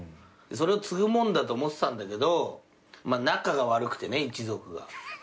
それを継ぐもんだと思ってたんだけど仲が悪くてね一族が。